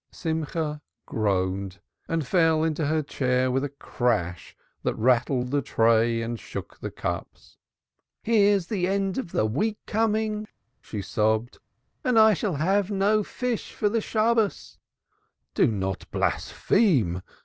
Simcha groaned and fell into her chair with a crash that rattled the tray and shook the cups. "Here's the end of the week coming," she sobbed, "and I shall have no fish for Shabbos." "Do not blaspheme!"